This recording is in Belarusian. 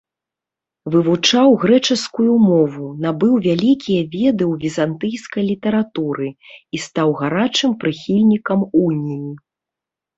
Вывучаў грэчаскую мову набыў вялікія веды ў візантыйскай літаратуры і стаў гарачым прыхільнікам уніі.